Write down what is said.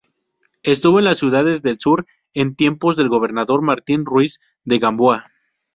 Estuvo en las ciudades del Sur en tiempos del Gobernador Martín Ruiz de Gamboa.